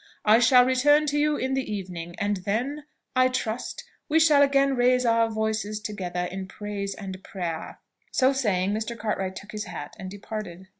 I shall return to you in the evening, and then, I trust, we shall again raise our voices together in praise and prayer." So saying, Mr. Cartwright took his hat and departed.